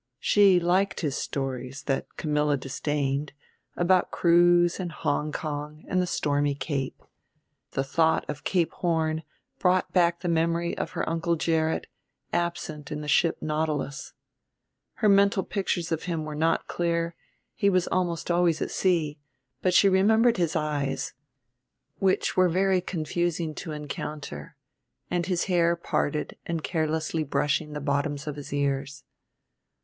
She liked his stories, that Camilla disdained, about crews and Hong Kong and the stormy Cape. The thought of Cape Horn brought back the memory of her Uncle Gerrit, absent in the ship Nautilus. Her mental pictures of him were not clear he was almost always at sea but she remembered his eyes, which were very confusing to encounter, and his hair parted and carelessly brushing the bottoms of his ears.